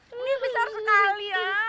ini besar sekali ya